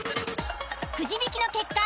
くじ引きの結果